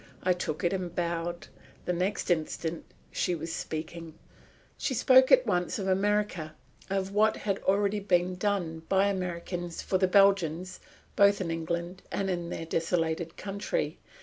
I took it and bowed. The next instant she was speaking. She spoke at once of America, of what had already been done by Americans for the Belgians both in England and in their desolated country.